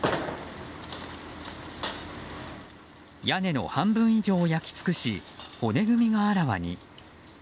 屋根の半分以上を焼き尽くし骨組みがあらわに。